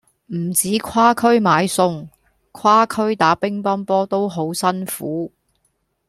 唔止跨區買餸，跨區打乒乓波都好辛苦